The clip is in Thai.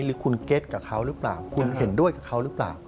หรือคุณเก็ตกับเขาหรือเปล่าคุณเห็นด้วยกับเขาหรือเปล่า